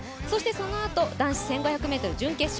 そのあと男子１５００ｍ準決勝。